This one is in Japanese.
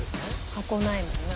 箱ないもんな。